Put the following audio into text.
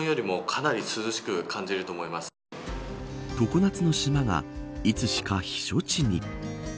常夏の島がいつしか避暑地に。